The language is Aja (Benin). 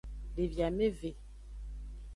Devi ameve.